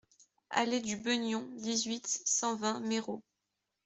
Allée du Beugnon, dix-huit, cent vingt Méreau